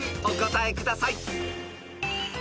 お答えください］